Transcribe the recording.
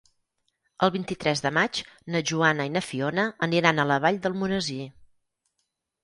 El vint-i-tres de maig na Joana i na Fiona aniran a la Vall d'Almonesir.